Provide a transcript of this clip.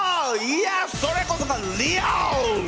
いやそれこそがリアル！